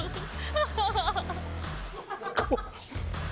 ハハハハ！